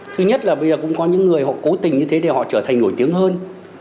thứ nhất là bây giờ cũng có những người họ cố tình như thế để họ trở thành nổi tiếng hơn